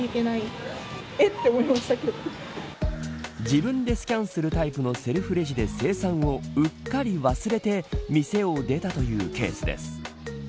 自分でスキャンするタイプのセルフレジで精算をうっかり忘れて店を出たというケースです。